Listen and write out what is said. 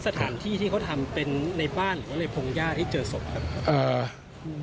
สถานที่ที่เขาทำเป็นในบ้านหรือว่าในพงหญ้าที่เจอศพครับ